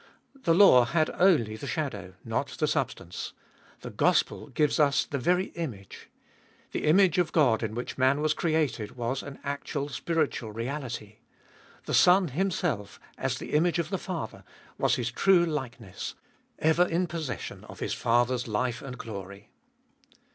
The law had only the shadow, not the substance. The gospel gives us the very image. The image of God in which man was created was an actual spiritual reality. The Son Himself, as the image of the Father, was His true likeness — ever in possession of His Father's life and glory.